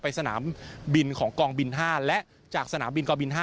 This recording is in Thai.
สนามบินของกองบิน๕และจากสนามบินกองบิน๕